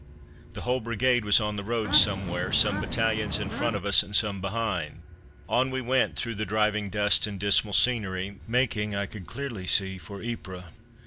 The whole brigade was on the road somewhere, some battalions in front of us and some behind. On we went through the driving dust and dismal scenery, making, I could clearly see, for Ypres.